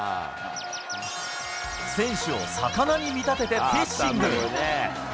選手を魚に見立ててフィッシング。